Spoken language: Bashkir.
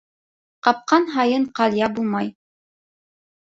Ҡапҡан һайын ҡалъя булмай.